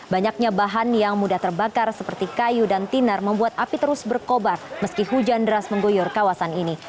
banyaknya bahan yang mudah terbakar seperti kayu dan tinar membuat api terus berkobar meski hujan deras mengguyur kawasan ini